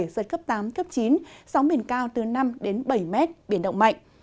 giật cấp tám cấp chín sóng biển cao từ năm bảy m biển động mạnh